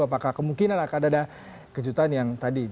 apakah kemungkinan akan ada kejutan yang tadi